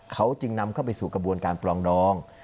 เขาจึงนำเข้าไปสู่กระบวนการปลองดอง